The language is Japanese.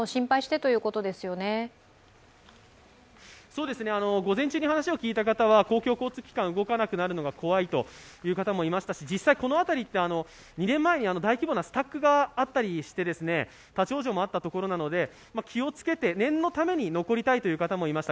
そうですね、午前中に話を聞いた方は公共交通機関が動かなくなるのが怖いという方もいましたしこの辺りは２年前に大規模なスタックがあったりして立往生もあったところなので、気をつけて、念のために残りたいという方もいました。